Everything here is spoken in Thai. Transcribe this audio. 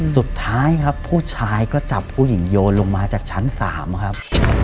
สุดท้ายครับผู้ชายก็จับผู้หญิงโยนลงมาจากชั้น๓ครับ